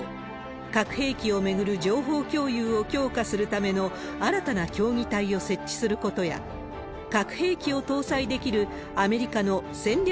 核兵器を巡る情報共有を強化するための新たな協議体を設置することや、核兵器を搭載できるアメリカの戦略